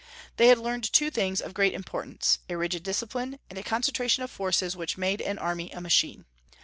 They had learned two things of great importance, a rigid discipline, and a concentration of forces which made an army a machine.